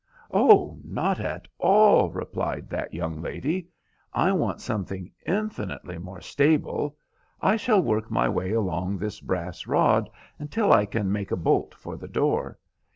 "Oh, not at all," replied that young lady; "I want something infinitely more stable. I shall work my way along this brass rod until I can make a bolt for the door.